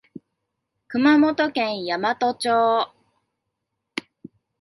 熊本県山都町